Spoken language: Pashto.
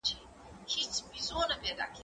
زه مخکي سیر کړی و!.